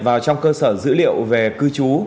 vào trong cơ sở dữ liệu về cư trú